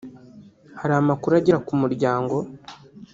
hari amakuru agera ku Umuryango